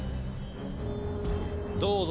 どうぞ。